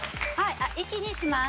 「息」にします。